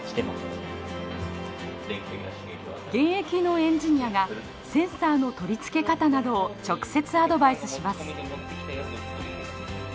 現役のエンジニアがセンサーの取り付け方などを直接アドバイスします。